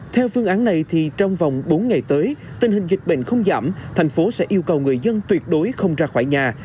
theo phương án này thì trong vòng bốn ngày tới tình hình dịch bệnh không giảm thành phố sẽ yêu cầu người dân tuyệt đối không ra khỏi nhà